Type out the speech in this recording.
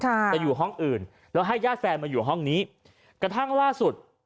ใช่ไปอยู่ห้องอื่นแล้วให้ญาติแฟนมาอยู่ห้องนี้กระทั่งล่าสุด